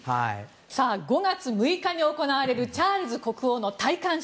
５月６日に行われるチャールズ国王の戴冠式。